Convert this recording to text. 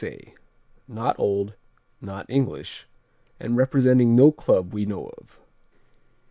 A._ Not old, not English, and representing no club we know of.